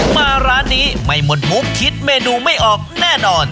มาร้านนี้ไม่หมดมุกคิดเมนูไม่ออกแน่นอน